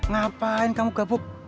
ngapain kamu gabuk